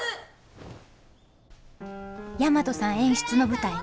大和さん演出の舞台